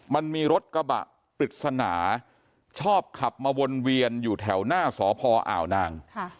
มันมีรถกระบะปริศนาชอบขับมาวนเวียนอยู่แถวหน้าสพอ่าวนาง